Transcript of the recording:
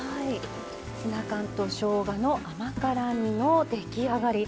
ツナ缶としょうがの甘辛煮の出来上がり。